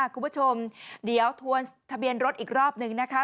คุณผู้ชมเดี๋ยวทวนทะเบียนรถอีกรอบนึงนะคะ